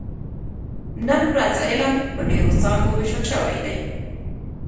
نن ورځ علم په ډېرو څانګو ویشل شوی دی.